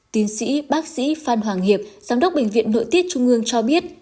tiến sĩ bác sĩ phan hoàng hiệp giám đốc bệnh viện nội tiết trung ương cho biết